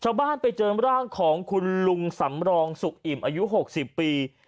ไปเจอร่างของคุณลุงสำรองสุขอิ่มอายุ๖๐ปี